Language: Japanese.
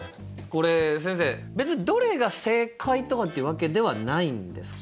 これ先生別にどれが正解とかってわけではないんですか。